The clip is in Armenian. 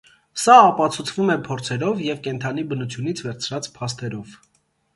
Սա ապացուցվում է փորձերով և կենդանի բնությունից վերցրած փաստեըով։